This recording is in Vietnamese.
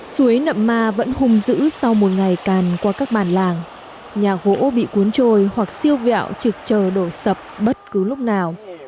suối nậm ma vẫn hung dữ sau một ngày càn qua các bản làng nhà gỗ bị cuốn trôi hoặc siêu vẹo trực chờ đổ sập bất cứ lúc nào